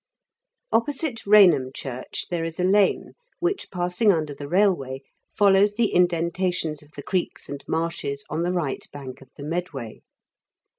Opposite Eainham church there is a lane which, passing under the railway, follows the indentations of the creeks and marshes on the right bank of the Medway.